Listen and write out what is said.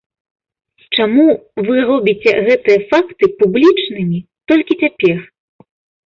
Чаму вы робіце гэтыя факты публічнымі толькі цяпер?